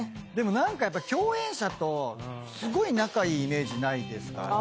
でも何かやっぱ共演者とすごい仲いいイメージないですか？